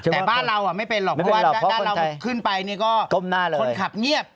แต่บ้านเราไม่เป็นหรอกเพราะว่าด้านเราขึ้นไปนี่ก็คนขับเงียบ